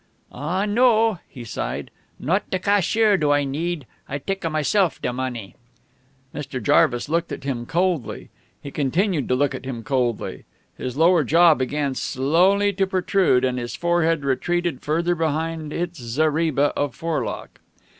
"Ah, no," he sighed. "Not da cashier do I need. I take a myself da money." Mr. Jarvis looked at him coldly. He continued to look at him coldly. His lower jaw began slowly to protrude, and his forehead retreated further behind its zareba of forelock.